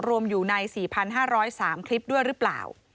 รวมอยู่ใน๔๕๐๓คลิปด้วยหรือเปล่า